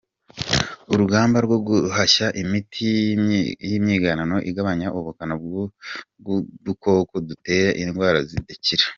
Urugamba rwo guhashya imiti y’imyiganano igabanya ubukana bw’udukoko dutera irwara zidakira